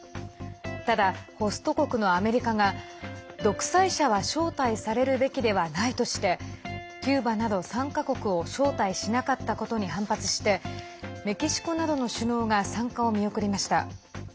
ただ、ホスト国のアメリカが独裁者は招待されるべきではないとしてキューバなど３か国を招待しなかったことに反発してメキシコなどの首脳が参加を見送りました。